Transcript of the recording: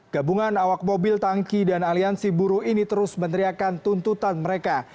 gabungan awak mobil tangki dan aliansi buruh ini terus meneriakan tuntutan mereka